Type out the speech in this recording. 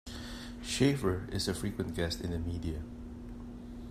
Shaffer is a frequent guest in the media.